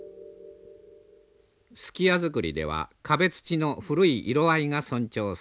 数寄屋造りでは壁土の古い色合いが尊重されます。